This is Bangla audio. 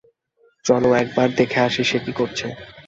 চলো, একবার দেখে আসি সে কী করছে।